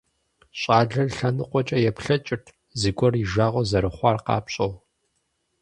Щӏалэр лъэныкъуэкӏэ еплъэкӏырт, зыгуэр и жагъуэ зэрыхъуар къапщӀэу.